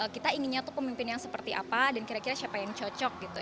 kita inginnya tuh pemimpin yang seperti apa dan kira kira siapa yang cocok gitu